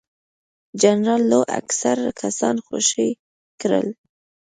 جنرال لو اکثر کسان خوشي کړل.